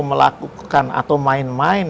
melakukan atau main main